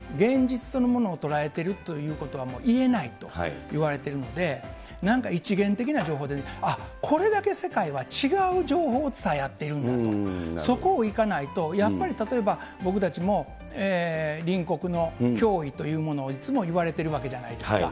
いわゆる捉え方に意図があるどんな情報だって、極端に言うと、現実そのものを捉えてるということは、もう言えないといわれているので、なんか一元的な情報で、あっ、これだけ世界は違う情報を伝え合っているんだと、そこをいかないと、やっぱり例えば、僕たちも隣国の脅威というものをいつも言われてるわけじゃないですか。